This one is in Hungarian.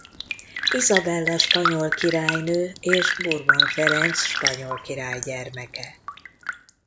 Izabella spanyol királynő és Bourbon Ferenc spanyol király gyermeke.